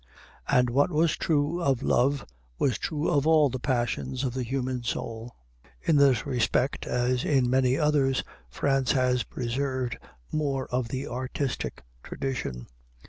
And what was true of love was true of all the passions of the human soul. In this respect, as in many others, France has preserved more of the artistic tradition.